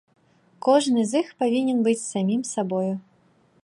Кожны з іх павінен быць самім сабою.